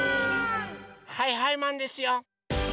はいはいマンですよ！